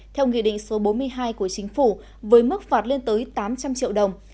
theo nghị định số bốn mươi hai của chính phủ với mức phạt lên tới tám trăm linh triệu đồng